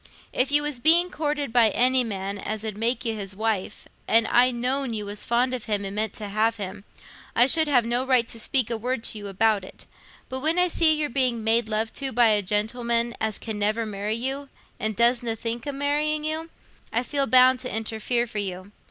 If you was being courted by any man as 'ud make you his wife, and I'd known you was fond of him and meant to have him, I should have no right to speak a word to you about it; but when I see you're being made love to by a gentleman as can never marry you, and doesna think o' marrying you, I feel bound t' interfere for you.